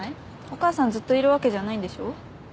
お母さんずっといるわけじゃないんでしょ？